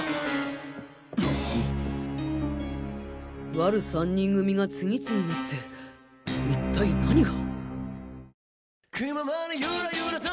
ワル３人組が次々にって一体何が？